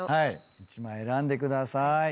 １枚選んでください。